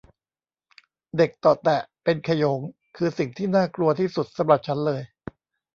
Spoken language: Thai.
เด็กเตาะแตะเป็นขโยงคือสิ่งที่น่ากลัวที่สุดสำหรับฉันเลย